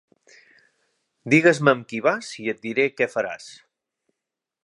Digues-me amb qui vas i et diré què faràs